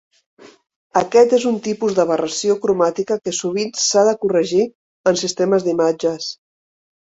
Aquest és un tipus d'aberració cromàtica que sovint s'ha de corregir en sistemes d'imatges.